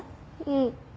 うん。